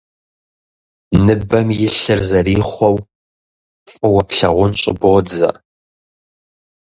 Ныбэм илъыр зэрихъуэу фӀыуэ плъагъун щӀыбодзэ.